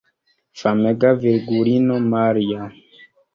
Famega Virgulino Maria!